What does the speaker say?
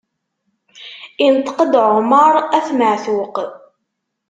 Inṭeq-d Ɛumeṛ At Maɛtuq.